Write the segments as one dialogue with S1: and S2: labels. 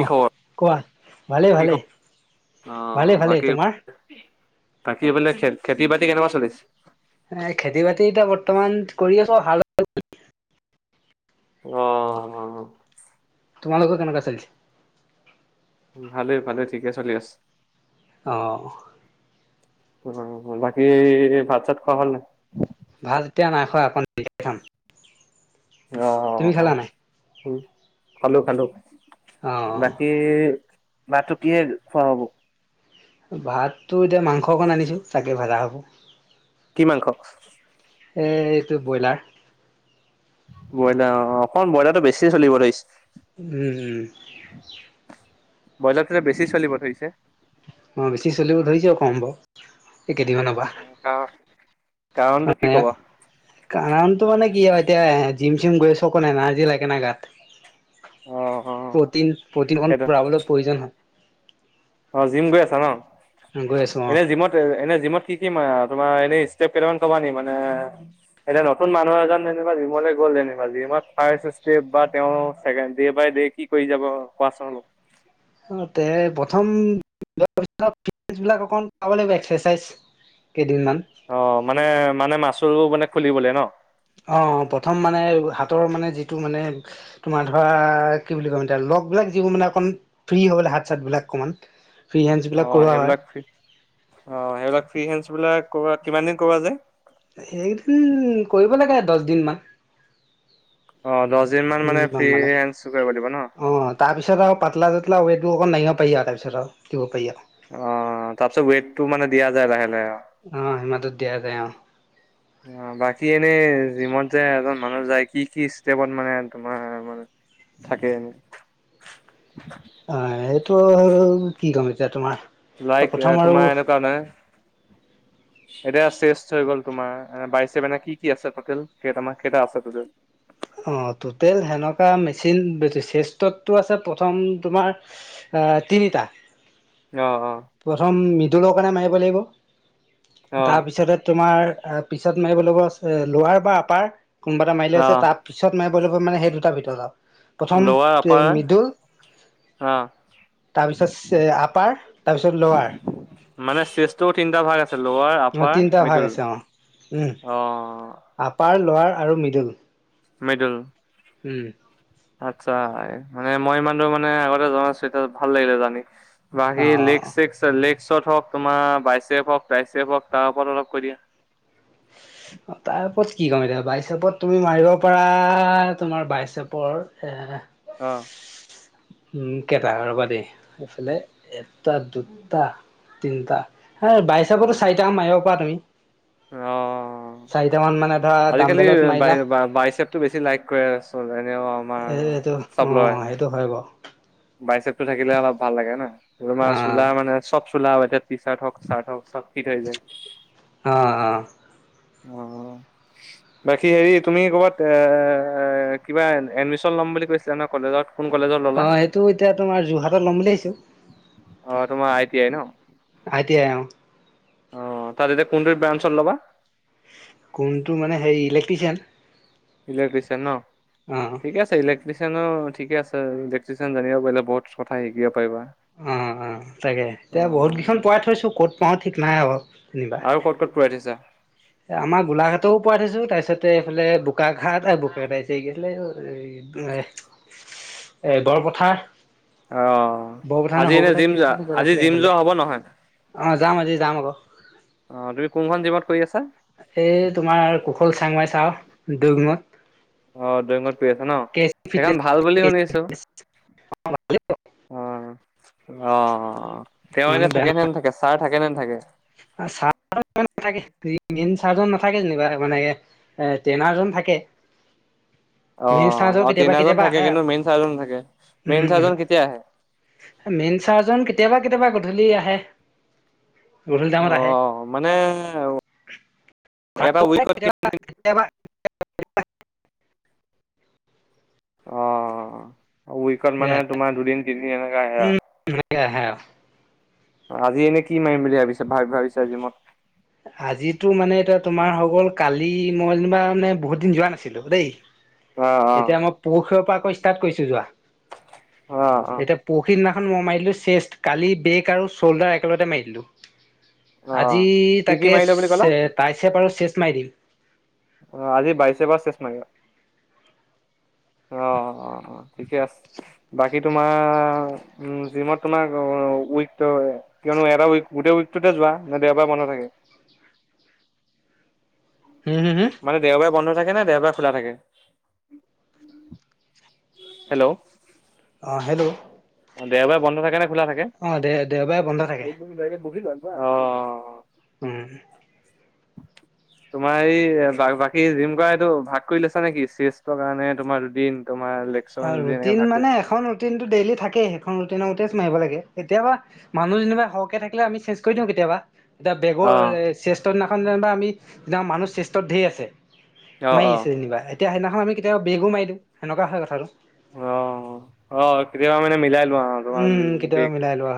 S1: কি
S2: অহ
S1: খবৰ
S2: কোৱা ভালে
S1: কি
S2: ভালে
S1: খবৰ অ বাকী বাকী বোলে খেতি বাতি কেনেকুৱা চলিছে
S2: এ খেতি বাতি এতিয়া বৰ্তমান কৰি আছা ভালেই
S1: আহ।
S2: তোমালোকৰ কেনেকা চলিছে
S1: ভালেই ভালেই ঠিকে চলি আছে।
S2: অঁ
S1: অ বাকি ভাত চাত খোৱা হ'ল নাই
S2: ভাত এতিয়া নাই খোৱা অকণ দেৰিকে খাম
S1: অ
S2: তুমি
S1: অ
S2: খালা নাই
S1: খালো খালো
S2: অ
S1: বাকী মাহটো কিহে খোৱা হ'ব
S2: ভাতটো এতিয়া মাংস অকণ আনিছোঁ তাকে ভজা হ'ব।
S1: কি মাংস?
S2: এ এইটো ব্ৰইলাৰ।
S1: ব্ৰইলাৰ অ অকমান ব্ৰইলাৰটো বেছি চলিব [unintelligible]
S2: উম উম,
S1: বইলাৰ খেল বেছি চলিব ধৰিছে।
S2: অ বেছি চলিব ধৰিছো কম বাৰ এই কেইদিনমানৰ পৰা।
S1: কাৰ কাৰণটো কি কব।
S2: ত মানে কি হয় এতিয়া জিম চিম গৈ আছো অকণ এনাৰজি লাগে না গাত।
S1: অ অ
S2: প্ৰটিন প্ৰটিনখন
S1: সেইটো
S2: ভৰাবলে প্ৰয়োজন হয়।
S1: অ জিম গৈ আছা ন
S2: গৈ আছো
S1: এনে জিমত এ এনে জিমত কি কি মাৰা, এনেই ষ্টেপ কেইটামান কবানি মানে এতিয়া নতুন মানুহ এজন যেনিবা জিমলে গ'ল যেনিবা জিম, ফাৰ ষ্টেপ বা তেওঁকে ডে বাই ডে কি কৰি যাব কোৱাচন,
S2: অ তে প্ৰথম [unintelligible] অক পাব লাগিব এক্সাৰচাইজ, কেইদিনমান
S1: অ মানে মানে মাছুল মানে খুলিবলে ন।
S2: অ প্ৰথম মানে হাতৰ মানে যিটো মানে। তোমাৰ ধৰা কি বুলি কয় এতিয়া লগবিলাক যিবোৰ মানে অকমান ফ্ৰী হ'বলে হাত চাতবলাক অকমান। ফ্ৰী হেণ্ডছ
S1: অ
S2: বিলাক কৰোৱা হয়
S1: সেইবিলাক অ সেইবিলাক ফ্ৰী হে বিলাক ক কিমান দিন কৰোৱা যায়।
S2: সেইকদিন কৰিব লাগে দহ দিন মান।
S1: [inaudible] দিন মান
S2: ম
S1: ফ্ৰী
S2: মানে
S1: হেণ্ডছ কৰিব লাগিব ন
S2: অ তাৰপিছত আৰু পাতলা চাতলা [unintelligible] পায় আএ বিছ কিৰিব পাৰি আও,
S1: অ তাৰপিছত ৱেট টো মানে দিয়া যায় লাহে,
S2: অ সীমাটোত দিয়া যায় অ
S1: [unintelligible] বাকী এনেই যিমত যে এজন, মানুহ যায় কি কি ষ্টেপত মানে তোমাৰ মানে থাকে,
S2: অ এইটো কি কম এতিয়া তোমাৰ।
S1: লাইক
S2: প্ৰথম আৰু
S1: তোমাৰ এনেকুৱা মানে এতিয়া চেষ্ট হৈ গ'ল তোমাৰ বাইচেপ কি কি আছে টোটেল কেইটা মান কেইটা আছে টোটেল
S2: অ টুটেল সেনেকুৱা মেচিন চেষ্টতটো আছে প্ৰথম তোমাৰ আহ তিনিটা
S1: অ অ
S2: প্ৰথম মৃদুলৰ কাৰণে মাৰিব লাগিব
S1: অ
S2: তাৰপিছতে তোমাৰ পিছত মাৰিব লাগিব লৱাৰ বা আপাৰ কোনোবা এটা মাৰিলে
S1: অ
S2: হৈছে তাৰ পিছত মাৰিব লাগিব মানে সেই দুটাৰ ভিতৰত আও প্ৰথম
S1: লৱাৰ আপাৰ
S2: মিদুল
S1: অ
S2: তাৰপিছত আপাৰ তাৰপিছত লৱাৰৰ
S1: মানে চেষ্ট তিনিটা ভাগ আছ ছে লৱাৰ,
S2: অ',
S1: আপাৰ,
S2: তিনিটা ভাগ
S1: মিদুল
S2: আছে অ',
S1: অ
S2: লোৱাৰ আৰু মিডুল
S1: মিদুল
S2: উম
S1: আচ্ছা মানে মই ইমানটো মানে আগতে জনা নাছিলো এতিয়া ভাল লাগিলে জানি বাকী লেগ
S2: অ',
S1: চেগ লেগ ত হওক তোমাৰ বাইচেপ হওক তাইচেপ হওক তাৰ ওপৰত অলপ কৈ দিয়া
S2: তাৰ পৰত কি ক'ম এতিয়া বাইচেপত তুমি মাৰিব পাৰা তোমাৰ বাইচপৰ এ
S1: অ
S2: উম কেইটা ৰবা দেই এইফালে এটা দুটা তিনিটা হেই বাইচাপটো চাৰিটা মাৰিব পাৰা তুমি
S1: অ অ
S2: চাৰিটা মান মানে ধৰা
S1: আজিকালি
S2: দামবেলত মাৰিলা
S1: বাইচেপ টো বেছি লাইক কৰে চ এনে অ
S2: এই এইটো অ' সেইটো হয় বাৰু।
S1: বাইচেপটো থাকিলে অলপ ভাল লাগে ন তোমাৰ
S2: অ
S1: চোলা মানে চব চোলা টি চাৰ্ট হক চাৰ্ট হক চব ফিট হৈ যায়।
S2: অ-অ,
S1: অ বাকী হেৰি তুমি ক'বাত এ কিবা এডমিশন ল'ম বুলি কৈছিলা ন। কলেজত কোন কলেজত
S2: অ
S1: ললা?
S2: সেইটো এতিয়া তোমাৰ যোৰহাটত ল'ম বুলি ভাবিছোঁ
S1: অ তোমাৰ আই তি আই ন?
S2: আই তি আই অহ,
S1: অহ তাত এতিয়া কোনটো ব্ৰাঞ্চত লবা।
S2: কোনটো মানে হেৰি ইলেক্ট্ৰিচিয়ান।
S1: ইলেক্ট্ৰিচিয়ান ন
S2: অ
S1: ঠিকে আছে ইলেক্ত ট্ৰিচিয়ান ঠিক আছেলেক্ট্ৰিচিয়ান জানিব পাৰলে বহুত কথা শিকি
S2: অ-অ তাকে
S1: অ
S2: এতিয়া বহুত কেইখন পোৱাই থৈছো ক'ত পাওঁ ঠিক নাই আৰু। যেনিবা,
S1: আৰু ক'ত ক'ত পঢ়াই থৈছা
S2: আমাৰ গোলাঘাটও পাই থৈছো তাৰপিছত তে এইফালে বোকাঘাট আৰু বোকাঘাট কি আহিছিলে, এ দৰপথাৰ
S1: অ আজি এনে জিম যোৱা
S2: গ'ত
S1: আজি
S2: আছিলে
S1: জিম
S2: সেইফালে
S1: যোৱা হব নহয়?
S2: অ যাম আজি যাম আকৌ।
S1: অ তুমি কোনখন জিমত কৰি আছা
S2: এই তোমাৰ কুশল চাংমাই চাৰ দুগমত
S1: অ' ড্ৰয়ঙত পৰি আছা ন সেইখন ভাল বুলি শুনিছো। হয়, অ-অ তেওঁ এনেয়া থাকে নে না থাকে ছাৰ থাকে নে নেথাকে।
S2: চাৰ থাকে [inaudible] চাৰ জন নাথাকে যেনিবা মানে এ টেনাৰজন থাকে। মেইন চাৰ্জৰ
S1: অ-অ
S2: কেতিয়াবা
S1: তিনিজন
S2: কেতিয়াবা
S1: থাকে
S2: আহে আৰু
S1: কিন্তু মেইন চাৰজন থাকে
S2: উম
S1: মেইন
S2: উম
S1: চাৰজন কেতিয়া আহে?
S2: মেইন চাৰজন কেতিয়াবা-কেতিয়াবা গধূলি আহে। গধূলি টাইমত আহে
S1: অ' মানে এটা উইকট
S2: কেতিয়াবা কেতিয়াবা
S1: অ উইকত মানে তোমাৰ দুদিন তিনিদিন এনেকে আহে আৰু।
S2: উম আহে আৰু
S1: আজি এনেই কি মাৰিম বুলি ভাবিছে ভা-ভাবিছা জিমত?
S2: আজিতো মানে এতিয়া তোমাৰ হৈ গ'ল কালি মই যেনিবা মানে বহুত দিন যোৱা নাছিল ছিলো দেই
S1: অ অ
S2: এতিয়া মই পুৰখিৰৰ পৰা আকৌ ষ্টাৰ্ট কৰিছো যোৱা।
S1: অ অ
S2: এতিযা পৰখী দিনাখন খন মই মাৰিলোঁ চেষ্ট কালি বেক আৰু শ'ল্ডাৰ একেলগতে মাৰি দিলোঁ
S1: অ
S2: আজি
S1: কি কি
S2: তাকে
S1: মাৰিলা বুলি ক'লা
S2: তাই চেপ আৰু চেচ মাৰি দিম।
S1: অ আজি বাইছেপ আৰু চেষ্ট মাৰিবা। অ অ অ ঠিকে আছে বাকী তোমাৰ উ জিমত তোমাৰ অ উইক কিয়নো এটা উইক গোটেই উইকটোতে যোৱা নে দেওবাৰে বন্ধ থাকে।
S2: হুম হুম হুম।
S1: মানে দেওবাৰে বন্ধ থাক সেনে নাই দেওবাৰে খোলা থাকে হেল্ল'
S2: অ' হেল্ল'
S1: অ দেওবাৰে বন্ধ থাকে নে খোলা থাকে?
S2: অ' দে দেওবাৰে বন্ধ থাকে উম,
S1: তোমাৰ এই বাকী জিম কৰা এইটো ভাগ কৰি লৈছা নেকি, শ্ৰীষ্টৰ কাৰণে তোমাৰ দুদিন। তোমাৰ লেগছৰ
S2: ত
S1: কাৰণে দুদিন এনেকে
S2: ৰুটিন
S1: ভাগ কৰি
S2: মানে এখন ৰুটিন টো ডেইলি থাকেই। ৰুট নতেই মাৰিব লাগে কেতিয়াবা মানুহ যেনিবা সহকে থাকিলে আমি চেনজ কৰি দিওঁ কেতিয়াবা, এতিয়া
S1: অ
S2: বেগৰ শ্ৰেষ্ঠৰ দিনাখন যেনিবা আমি মানুহ শ্ৰেষ্ঠত ধেৰ আছে।
S1: অ
S2: মাৰি আছে
S1: অ
S2: যেনিবা এতিয়া সেইদিনাখন আমি কেতিয়াবা বেগো মাৰি দিওঁ সেনেকুৱা হয় কথাটো,
S1: অ' অ' কেতিয়াবা মানে মিলাই লোৱা আৰু তোমাৰ
S2: উম, কেতিয়াবা
S1: বেগ
S2: মিলাই লোৱা।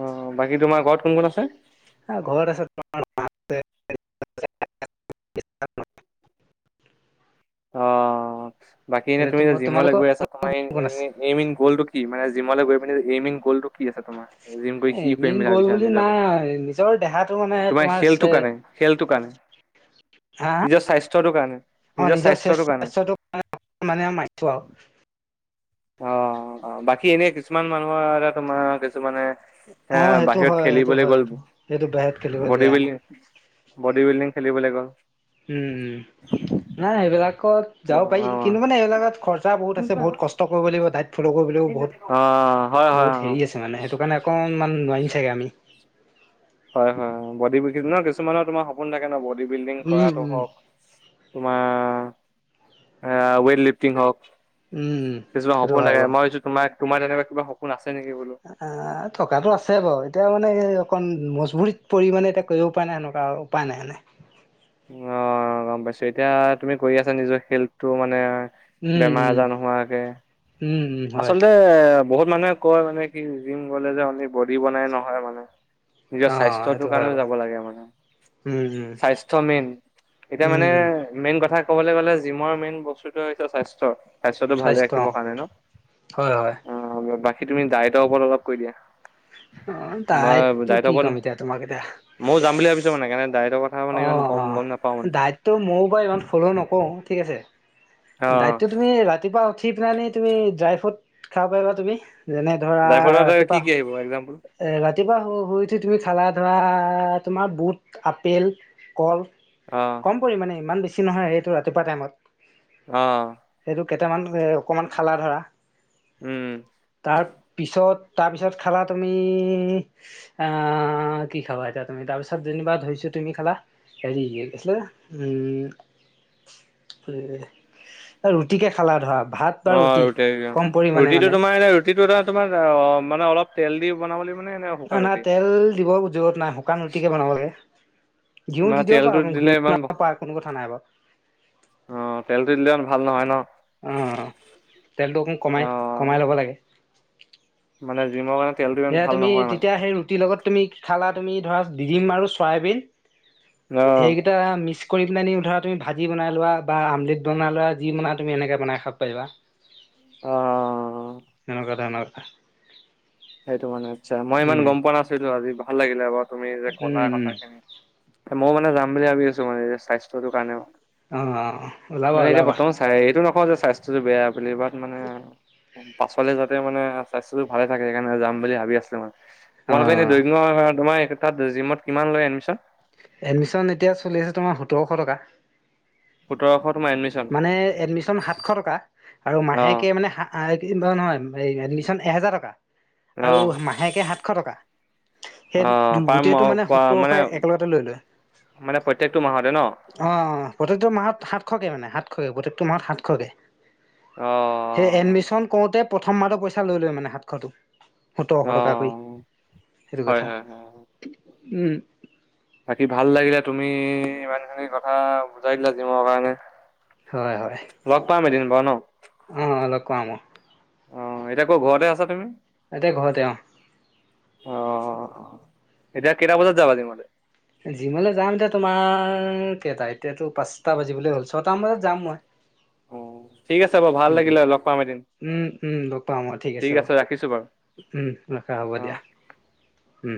S1: অ' বাকী তোমাৰ ঘৰত কোন কোন আছে
S2: ঘৰত আছে তোমাৰ
S1: অ, বাকী এনে তুমি যে
S2: এতিয়া
S1: জিমৰ লৈ
S2: তোমালোকৰ
S1: গৈ আছা তোমাৰ
S2: গুণ আছে।
S1: এইমিন এইমিন গলটো কি মানে জিম গৈ পিনে এইমিন গ'লটো, কি আছে তোমাৰ জিম কৰি কি কৰিম
S2: এমিং
S1: বুলি
S2: গ'ল
S1: ভাবিছা নিজকে
S2: নাই নিজৰ দেহাটো মানে
S1: তোমাৰ খেলটো কাৰণে, খেলটোৰ কাৰণে
S2: হা
S1: নিজৰ স্বাস্থ্যটোৰ কাৰণে নিজৰ স্বাস্থ্য
S2: মানে মাৰিছোঁ আৰু,
S1: অ' বাকী এনে কিছুমান মানুহৰ এ তোমাৰ কিছুমানে,
S2: অ
S1: হে
S2: সেইটো
S1: বাহিৰত
S2: হয় সেইটো
S1: খেলিবলৈ
S2: হয়
S1: গ'ল
S2: সেইটো সেইটো বাহিৰত খেলিব
S1: বডি
S2: যায়
S1: বিল্ডিং, বডি বিল্ডিং খেলিবলৈ গ'ল,
S2: উম নাই সেইবিলাক, ত
S1: অ
S2: যাব পাৰি কিন্তু মানে এইবিলাকত খৰচা বহুত আছে বহুত কষ্ট কৰিব লাগিব। ফ ফল কৰিবলৈও
S1: অ হয়
S2: বহুত
S1: হয়
S2: বহুত
S1: অ
S2: হেৰি আছে মানে সেইটো কাৰণে অকণমান নোৱাৰিম চাগে আমি,
S1: হয় হয় বডি বিল্ডিং ন কিছুমানৰ তোমাৰ সপোন থাকে ন বডি বিল্ডিং
S2: উম
S1: কৰাটো
S2: উম
S1: হওক, তোমাৰ ৱেইট লিফটিং হওক
S2: উম উম
S1: কিছুমান
S2: সেইটো
S1: সপোন
S2: হয়
S1: থাকে।
S2: বাৰু
S1: মই ভছো তোমাৰ, তোমাৰ তেনেকুৱা কিবা সপোন আছে? নেকি বোলো
S2: অ, থকাতটো আছে বাৰু এতিয়া মানে এই অকন মজবুৰিত পৰিমাণে এতিয়া কৰিব পৰা নাই সেনেকুৱা মানে উপায় নাই মানে।
S1: অ' গম পাইছো। এতিয়া তুমি কৰি আছা নিজৰ হেলথটো মানে
S2: উম
S1: বেমাৰ
S2: উম
S1: আজাৰ নোহোৱাকে
S2: উম, উম হয়।
S1: আচলতে বহুত মানুহে কয় মানে কি জিম গ'লে যে অনলি বডি বনে নহয় মানে নিজৰ
S2: অ', সেইটো
S1: স্বাস্থ্যটোৰ
S2: হয়
S1: কাৰণেও
S2: বাৰু।
S1: যাব লাগে মানে।
S2: উম, উম,
S1: স্বাস্থ্য মেইন। এতিয়া মানে
S2: উম,
S1: মেইন কথা ক'বলৈ গ'লে জিমৰ মেইন বস্তুত হৈছে স্বাস্থ্য। স্বাস্থ্যয়টো ভালে
S2: স্বাস্থ্য অ',
S1: ৰাখিবৰ কাৰণে ন।
S2: হয়, হয়।
S1: অ বাকী তুমি দাইতৰ ওপৰত অলপ কৈ দিয়া।
S2: অ',
S1: মই
S2: ডায়েটটো
S1: দায়টত
S2: কি
S1: ওপৰত,
S2: ক'ম এতিয়া তোমাক এতিয়া
S1: মইও যাম বুলি ভাবিছো মানে হেইকাৰণে দাইট
S2: অ, অ দাইতটো ময়ো বাৰু ইমান ফল নকৰো। ঠিক আছে
S1: অ
S2: দাইতটো তুমি ৰাতিপুৱা উঠি প নি তুমি ড্ৰাই ফ্ৰুট খাব পাৰিবা তুমি যেনে ধৰা
S1: ড্ৰাইভৰ কি
S2: ৰাতিপুৱা
S1: কি আহিব এক্জাম্পল
S2: এ, ৰাতি ৰাতিপুৱা শুই উঠি তুমি খালা ধৰা, তোমাৰ বুট, আপেল কল
S1: অ
S2: কম পৰিমাণে ইমান বেছি নহয় এইটো ৰাতিপুৱা টাইমত।
S1: অ'।
S2: সেইটো কেইটামান অকমান খালা ধৰা।
S1: উম
S2: তাৰ পিছত তাৰপিছত খালা তুমি অ' কি খাবা এতিয়া তুমি। তাৰপিছত যেনিবা ধৰিছো তুমি খালা হেৰি উম' ৰুটিকে খালা ধৰা ভাত বা
S1: অ, ৰুটি
S2: কম
S1: -
S2: পৰিমাণে
S1: ৰুটিটো
S2: মানে
S1: তোমাৰ এনে ৰুটিটো এটা তোমাৰ অ, মানে অলপ তেল দি বনাব লাগিব নে নে শুকান
S2: নাই - নাই
S1: ৰুটি
S2: তেল দিব জত নাই শুকান ৰুটিকে বনাব লাগে। ঘিউ দি
S1: মানে
S2: দিব পাৰা
S1: তেলটো দিলে
S2: ঘিউ
S1: ইমান
S2: পাৰা কোনো কথা নাই বাৰু
S1: অ' তেলটো দিলে ভাল নহয় ন।
S2: অ' তেলটো অকণ কমাই
S1: অ
S2: কমাই ল'ব লাগে।
S1: মানে যি মানে [unintelligible]
S2: সেয়া তুমি তেতিয়া সেই ৰুটিৰ লগত তুমি খালা তুমি ধৰা দিম আৰু চয়াবিন।
S1: অ
S2: সেইকেইটা মিছ কৰি পেল নি, ধৰা তুমি ভাজি বনাই লোৱা বা আমলেট বনাই লোৱা যি বনাই তুমি এনেকৈ বনাই খাব পাৰিবা।
S1: অ
S2: সেনেকুৱা টাইমট।
S1: সেইটো মানে ইচ্ছা। মই ইমান
S2: উম
S1: গম পোৱা নাছিলো আজি ভাল লাগিলে তুমি যে কলা
S2: উম উম
S1: কথাখিনি। মইও মানে যাম বুলি ভাবি আছো মানে স্বাস্থ্যটোৰ কাৰণেও
S2: অ ওলাবা
S1: মানে এতিয়া
S2: ওলাবা
S1: বৰ্তমান চাই এইটো নক স্বাস্থ্যতটো বেয়া বুলিাত মানে, পাছল যাতে মানে স্বাস্থ্যতটো ভালে থাকে সেইকাৰণে যাম বুলি ভাবি আছিলো মানে।
S2: অ
S1: তোমালোকে এনে দৈ তোমাৰ তাত জিমত কিমান লয় এডমিশন?
S2: এডমিশন এতিয়া চলি আছে তোমাৰ সোতৰশ টকা।
S1: সোতৰশ তোমাৰ এডমিশন
S2: মানে এডমিশন সাতশ টকা আৰু
S1: অ',
S2: মাহেকে মানে নহয় এই এডমিশন এহেজাৰ টকা আৰু
S1: অ',
S2: মাহেকে সাতশ টকা সেই
S1: অ', পাৰ
S2: গোটেইটো মানে সতৰশ
S1: মানে
S2: একেলগতে লৈ লয়।
S1: মানে প্ৰত্যেকটো মাহতে ন?
S2: অ অ প্ৰথটো মাহ সাত সাতশকে মানে সাতশকে, প্ৰতেটো মাহত সাতশকে। এই
S1: অ',
S2: এডমিছন কৰতে প্ৰথম মাহটো পইচা লৈ লৈ মানে সাতশ টো সতৰশ টকাকৈ।
S1: অ',
S2: সেইটো
S1: হয়,
S2: কথা।
S1: হয়, হয়।
S2: উ
S1: বাকী ভাল লাগিলে তুমি ইমানখিনি কথা বুজাই দিলা জিমৰ কাৰণে।
S2: হয় হয়
S1: লগ পাম এদিন বাৰু ন
S2: পাম
S1: অ এতিয়া আকৌ ঘৰতে আছা তুমি?
S2: এতিয়া ঘৰতে অ
S1: অ এতিয়া কেইটা বজাত যাবা জিমলে?
S2: জিমলৈ যাম এতি তোমাৰ কেইটা এতিয়াতো পাঁচটা বাজিবলৈ হ'ল। ছয়টামান যাম মই।
S1: অ ঠিক আছে বাৰু ভাল
S2: উম
S1: লাগিলে লগ পাম এদিন।
S2: উম উম লগ পাম অ
S1: ঠিক
S2: বাৰু
S1: আছে ৰাখিছো বাৰু
S2: উম ৰখা হ'ব দিয়া।
S1: [unintelligible]
S2: উম